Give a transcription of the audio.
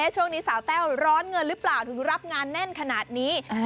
ช่วงนี้สาวแต้วร้อนเงินหรือเปล่าถึงรับงานแน่นขนาดนี้